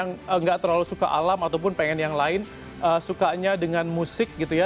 yang nggak terlalu suka alam ataupun pengen yang lain sukanya dengan musik gitu ya